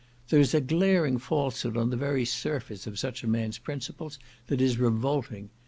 There is a glaring falsehood on the very surface of such a man's principles that is revolting.